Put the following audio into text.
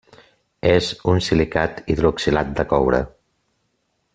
És un silicat hidroxilat de coure.